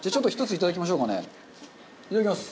いただきます。